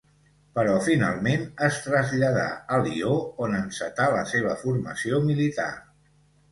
Però finalment es traslladà a Lió on encetà la seva formació militar.